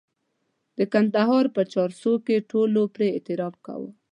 د کندهار په چارسو کې ټولو پرې اعتراف کاوه.